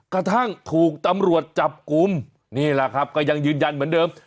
กระทั่งถูกตำรวจจับกลุ่มนี่แหละครับก็ยังยืนยันเหมือนเดิม